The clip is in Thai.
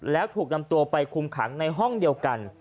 แล้วถูกนำตัวไปคุมขังในห้องเดียวกัน